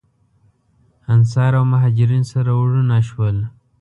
انصار او مهاجرین سره وروڼه شول.